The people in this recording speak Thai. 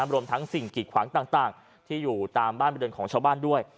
รวมทั้งสิ่งกิดขวางต่างที่อยู่ตามบ้านบริเวณของชาวบ้านด้วย